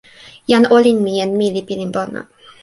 jan olin mi en mi li pilin pona.